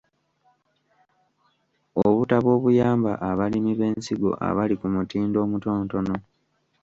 Obutabo obuyamba abalimi b’ensigo abali ku mutindo omutonotono.